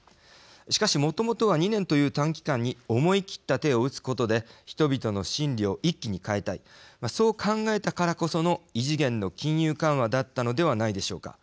しかしもともとは２年という短期間に思い切った手を打つことで人々の心理を一気に変えたいそう考えたからこその異次元の金融緩和だったのではないでしょうか。